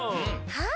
はい！